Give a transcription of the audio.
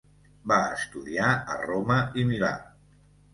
Va estudiar a Roma i Milà.